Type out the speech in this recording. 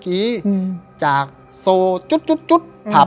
หล่นลงมาสองแผ่นอ้าวหล่นลงมาสองแผ่น